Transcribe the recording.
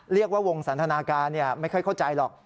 เรียกว่าวงสันทนาการไม่เคยเข้าใจหรอก